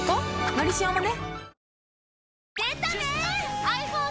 「のりしお」もね